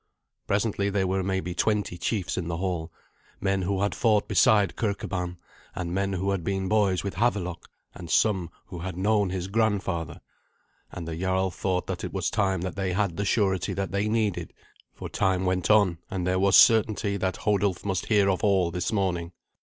Presently there were maybe twenty chiefs in the hall men who had fought beside Kirkeban, and men who had been boys with Havelok, and some who had known his grandfather and the jarl thought that it was time that they had the surety that they needed, for time went on, and there was certainty that Hodulf must hear of all this morning.